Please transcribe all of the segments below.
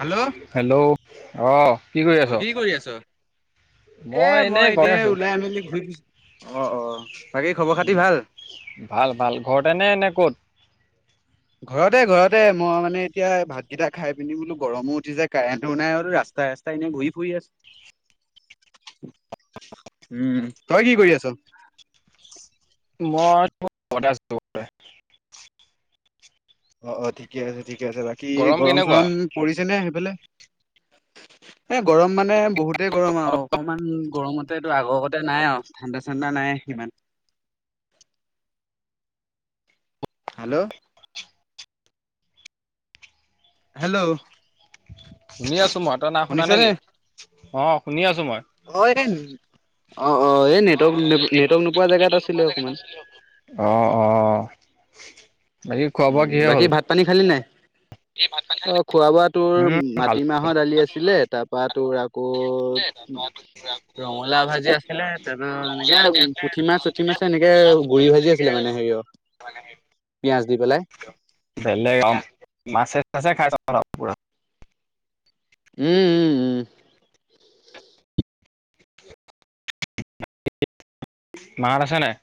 Hello hello আহ কি কৰি অ আছ? কৰিছ? এ মই এনেই ওলাই আ মেলি ঘূৰি দিছো, অ অ বাকী খবৰ খাতি ভাল? ভাল ভাল ঘৰতে'নে এনে ক'ত? ঘৰতে ঘৰতে মই মানে এতিয়া ভাতকেইটা খাই পিনি বোলো গৰমো উঠিছে কাৰেণ্টো নাই আৰু ৰাস্ত আই এনে ঘোই ফুই আছো। [inaudible] উম তই কি কৰি আছ? মই ঘতে আছো। অ অ ঠিকে আছে ঠিকে আছে বাকী গৰম চৰম পৰিছে নে সেইফালে? এ গৰম মানে বহুতেই গৰম আৰু অলপ অকমান গৰমতেতটো আগৰগতে নাই অ ঠাণ্ডা চাণ্ডা নাই সিমান। [unintelligible] হেল্ল' হেল্ল' শুনি আছো মই তই না শুনা নেকি? অ শুনি আছো। মই হয় নে অ অ অ এ জেগাত নেটৱৰ্ক আছিলে নোপোৱা জেগাত অকমান। আছোহি আক উ বাকী ভাত পানী খালি নাই? অ খোৱা বোৱা তোৰ উম খালো মাটিমাহৰ দালি আছিলে তাৰপৰা তোৰ আকৌ ৰঙালাও ভাজি আছিলে তাৰপা এনেকে পুঠি মাছ চুঠি মাছে এনেকে গুৰি ভাজি আছিলে মানে হেৰিঅ মানে সেই বেলেগ অ মাছে চাছে খাই চ পৰা? উম উম উম মাহত আছে নাই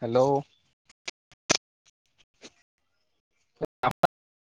হেল্ল' আ [unintelligible]